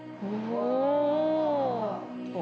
お！